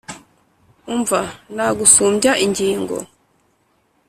umva nagusumbya ingingo.